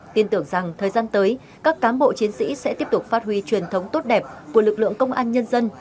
tin tưởng rằng thời gian tới các cám bộ chiến sĩ sẽ tiếp tục phát huy truyền thống tốt đẹp của lực lượng công an nhân dân